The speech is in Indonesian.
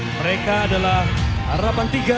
mereka adalah harapan tiga